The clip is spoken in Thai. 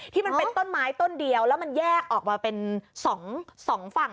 ที่เป็นต้นไม้ต้นเดียวแล้วมันแยกออกมาเป็นสองฝั่ง